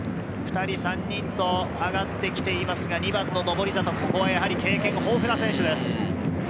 ２人、３人と上がってきていますが、２番の登里、ここやはり経験豊富な選手です。